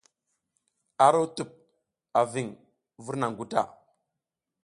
Aro tup a viŋ vur naŋ guta.